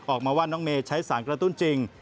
ออกมาว่าน้องเมย์ใช้สารกระตุ้นจริง